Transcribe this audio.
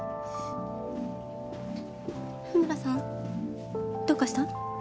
日村さんどうかした？